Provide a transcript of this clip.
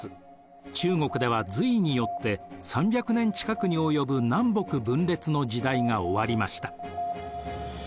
中国では隋によって３００年近くに及ぶ南北分裂の時代が終わりました。